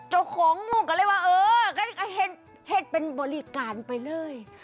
เอาของงู้ว่าเห็นเป็นบริการไปเลย